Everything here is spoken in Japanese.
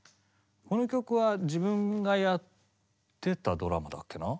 この曲は自分がやってたドラマだっけな？